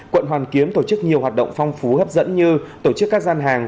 quận hoàn kiếm tổ chức nhiều hoạt động phong phú hấp dẫn như tổ chức các gian hàng